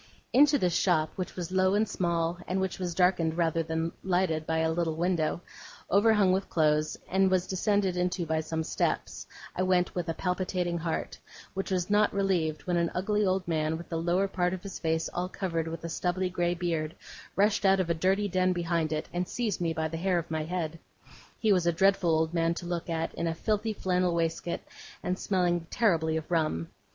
Into this shop, which was low and small, and which was darkened rather than lighted by a little window, overhung with clothes, and was descended into by some steps, I went with a palpitating heart; which was not relieved when an ugly old man, with the lower part of his face all covered with a stubbly grey beard, rushed out of a dirty den behind it, and seized me by the hair of my head. He was a dreadful old man to look at, in a filthy flannel waistcoat, and smelling terribly of rum.